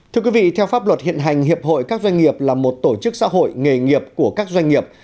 thưa quý vị theo pháp luật hiện hành hiệp hội các doanh nghiệp là một tổ chức xã hội nghề nghiệp của các doanh nghiệp